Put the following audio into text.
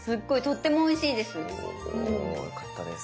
およかったです。